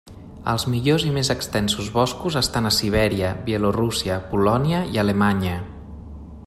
Els millors i més extensos boscos estan a Sibèria, Bielorússia, Polònia i Alemanya.